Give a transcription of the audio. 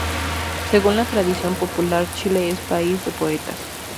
Según la tradición popular, Chile es "país de poetas".